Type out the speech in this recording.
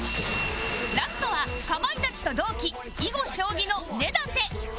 ラストはかまいたちと同期囲碁将棋の根建